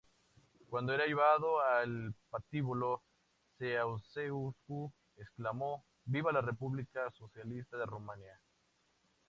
Cuando era llevado al patíbulo, Ceaușescu exclamó "¡Viva la República Socialista de Rumanía!